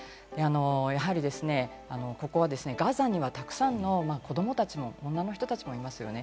やはりここはガザにはたくさんの子供たちも女の人たちもいますよね。